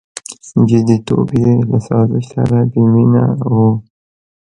• جديتوب یې له سازش سره بېمینه و.